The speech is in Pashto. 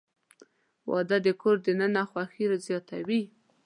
• واده د کور دننه خوښي زیاتوي.